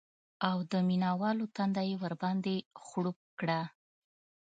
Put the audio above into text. او د مینه والو تنده یې ورباندې خړوب کړه